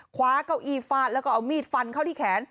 เก้าอี้ฟาดแล้วก็เอามีดฟันเข้าที่แขน